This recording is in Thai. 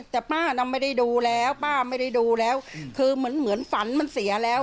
แต่ป้าดังไม่ได้ดูแล้วคือเหมือนฝันมันเสียแล้ว